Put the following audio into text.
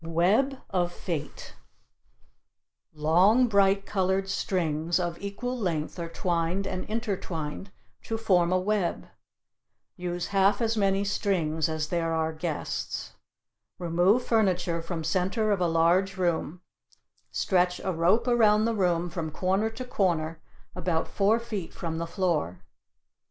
WEB OF FATE Long bright colored strings, of equal length are twined and intertwined to form a web. Use half as many strings as there are guests. Remove furniture from center of a large room stretch a rope around the room, from corner to corner, about four feet from the floor.